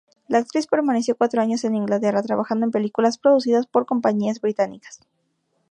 La actriz permaneció cuatro años en Inglaterra, trabajando en películas producidas por compañías británicas.